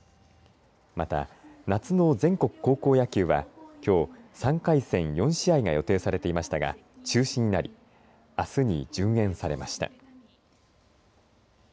また、夏の全国高校野球はきょう３回戦４試合が予定されていましたが中止になりあすに順延されました。